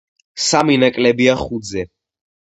სამი ნაკლებია ხუთზე.